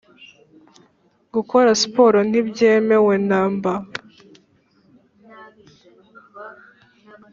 Gukora siporo ntibyemewe na mba